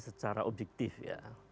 secara objektif ya